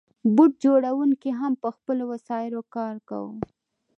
بوټ جوړونکو هم په خپلو وسایلو کار کاوه.